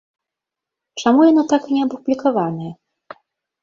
Чаму яно так і не апублікаванае?